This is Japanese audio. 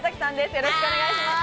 よろしくお願いします。